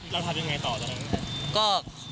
แล้วทำยังไงต่อแล้วครับ